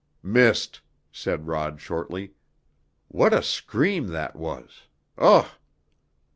"Missed!" said Rod shortly. "What a scream that was! Ugh!"